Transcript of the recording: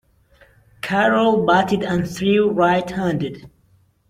Carroll batted and threw right-handed.